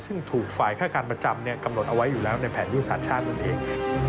ซึ่งถูกฝ่ายค่าการประจำกำหนดเอาไว้อยู่แล้วในแผนยุทธศาสตร์ชาตินั่นเอง